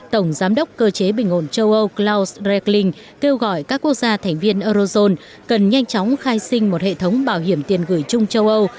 tổng giám đốc cơ chế bình ổn châu âu cloud rekling kêu gọi các quốc gia thành viên eurozone cần nhanh chóng khai sinh một hệ thống bảo hiểm tiền gửi chung châu âu